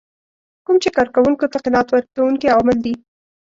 کوم چې کار کوونکو ته قناعت ورکوونکي عوامل دي.